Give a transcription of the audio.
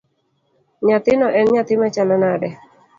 Nyathino en nyathi machalo nade?